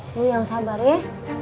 lo yang sabar ya